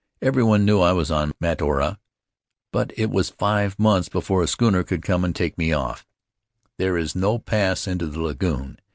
Everyone knew I was on Mataora, but it was five months before a schooner could come to take me off. "There is no pass into the lagoon.